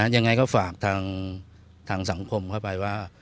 ยังไงก็ฝากทางสังคมเข้าไปว่า